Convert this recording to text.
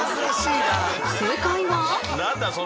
何だ？